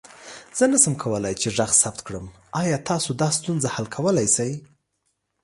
زه نسم کولى چې غږ ثبت کړم، آيا تاسو دا ستونزه حل کولى سې؟